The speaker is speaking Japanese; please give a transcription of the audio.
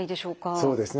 そうですね